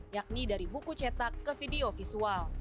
yakni dari buku cetak ke video visual